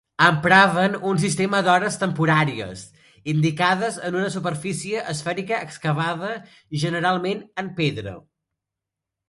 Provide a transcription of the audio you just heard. Empraven un sistema d'hores temporàries indicades en una superfície esfèrica excavada generalment en pedra.